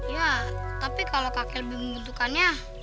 ya tapi kalau kakek lebih membutuhkannya